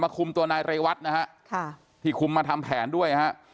คุมตัวนายเรวัตนะฮะค่ะที่คุมมาทำแผนด้วยฮะ